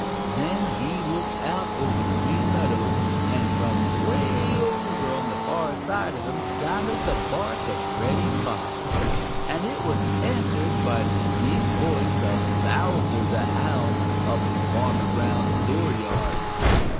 Then he looked out over the Green Meadows, and from way over on the far side of them sounded the bark of Reddy Fox, and it was answered by the deep voice of Bowser the Hound up in Farmer Brown's dooryard.